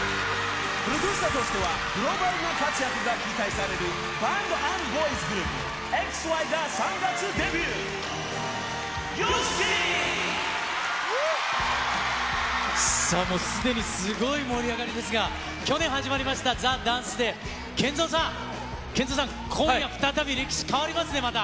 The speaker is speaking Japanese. プロデューサーとしては、グローバルな活躍が期待されるバンド＆ボーイズグループ、ＸＹがさあ、もうすでにすごい盛り上がりですが、去年始まりましたＴＨＥＤＡＮＣＥＤＡＹ、ＫＥＮＺＯさん、ＫＥＮＺＯさん、今夜再び、歴史、変わりますね、また。